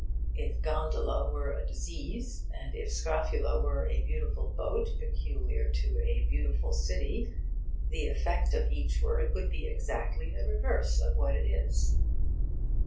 If gondola were a disease, and if a scrofula were a beautiful boat peculiar to a beautiful city, the effect of each word would be exactly the reverse of what it is.